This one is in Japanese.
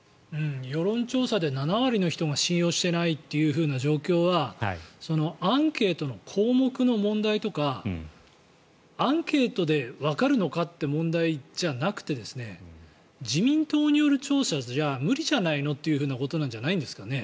世論調査で７割の人が信用していないという状況はアンケートの項目の問題とかアンケートでわかるのかという問題じゃなくて自民党による調査じゃ無理じゃないの？ということじゃないんですかね。